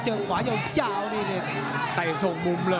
เจอขวาเยาว์เจ้าต่ายส่งมุมเลย